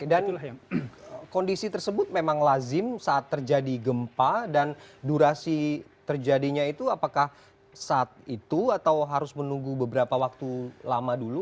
dan kondisi tersebut memang lazim saat terjadi gempa dan durasi terjadinya itu apakah saat itu atau harus menunggu beberapa waktu lama dulu